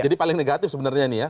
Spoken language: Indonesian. jadi paling negatif sebenarnya ini ya